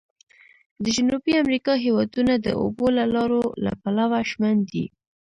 د جنوبي امریکا هېوادونه د اوبو د لارو له پلوه شمن دي.